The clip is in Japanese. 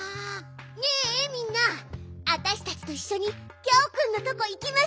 ねえみんなわたしたちといっしょにギャオくんのとこいきましょうよ。